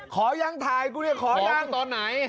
ขอยังถ่ายกูเนี่ยขอย่างตอนไหน